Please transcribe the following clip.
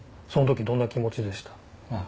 その時どんな気持ちでした？